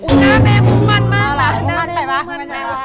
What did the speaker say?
อุ๊น่าแม่มุมมันมาก